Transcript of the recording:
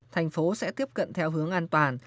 thành phố sẽ tiếp cận theo hướng an toàn